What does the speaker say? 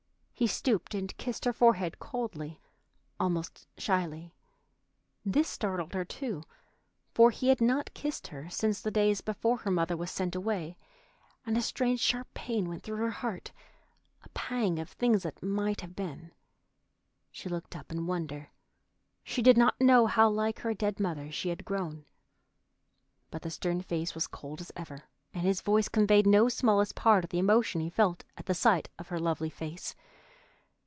He stooped and kissed her forehead coldly, almost shyly. This startled her, too, for he had not kissed her since the days before her mother was sent away, and a strange, sharp pain went through her heart, a pang of things that might have been. She looked up in wonder. She did not know how like her dead mother she had grown. But the stern face was cold as ever, and his voice conveyed no smallest part of the emotion he felt at sight of her lovely face.